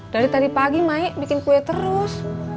dari tadi pagi maik bikin kue terus